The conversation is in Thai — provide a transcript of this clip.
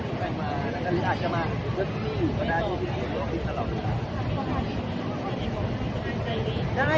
ผมไม่ต้องมาเพราะฉะนั้นพ่อทำไมไม่ได้ถ่ายมา